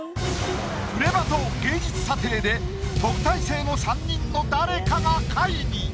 『プレバト』芸術査定で特待生の３人の誰かが下位に。